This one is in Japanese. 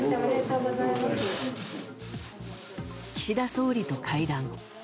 岸田総理と会談。